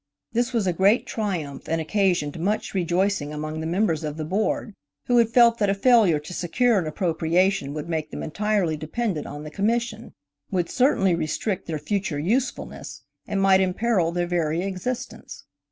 This was a great triumph and occasioned much rejoicing among the members of the Board, who had felt that a failure to secure an appropriation would make them entirely dependent on the Commission, would certainly restrict their future usefulness, and might imperil their very existence.